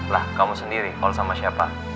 lah kamu sendiri call sama siapa